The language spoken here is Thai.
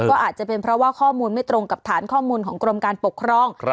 ก็อาจจะเป็นเพราะว่าข้อมูลไม่ตรงกับฐานข้อมูลของกรมการปกครอง